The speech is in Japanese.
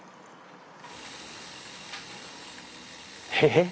えっ。